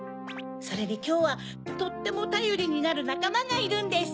それにきょうはとってもたよりになるなかまがいるんです。